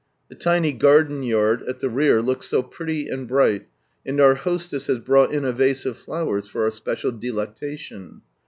The tiny garden yard at the rear looks so pretty and bright, and our hostess has brought in a vase of flowers for our special delectation.